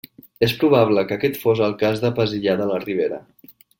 És probable que aquest fos el cas de Pesillà de la Ribera.